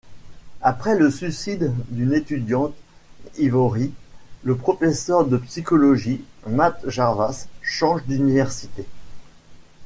Après le suicide d’une étudiante, Ivory, le professeur de psychologie Mat Jarvas change d’université.